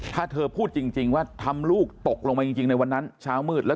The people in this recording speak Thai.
ถ้าเธอพูดจริงว่าทำลูกตกลงมาจริงในวันนั้นเช้ามืดแล้ว